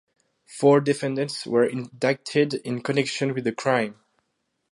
Four defendants were indicted in connection with the crime.